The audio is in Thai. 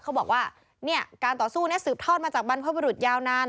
เขาบอกว่าเนี่ยการต่อสู้นี้สืบทอดมาจากบรรพบรุษยาวนาน